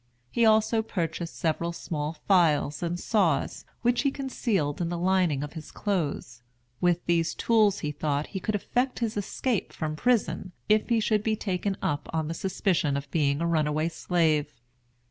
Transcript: He also purchased several small files and saws, which he concealed in the lining of his clothes. With these tools he thought he could effect his escape from prison, if he should be taken up on the suspicion of being a runaway slave.